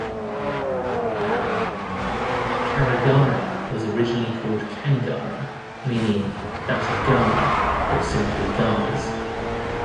Carigara was originally called Kangara, meaning "that of Gara" or simply "Gara's".